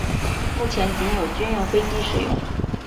目前仅有军用飞机使用。